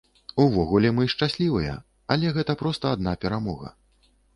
Увогуле, мы шчаслівыя, але гэта проста адна перамога.